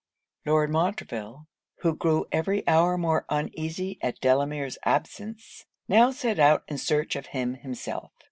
Lord Montreville, who grew every hour more uneasy at Delamere's absence, now set out in search of him himself.